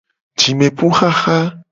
Jimepuxaxa.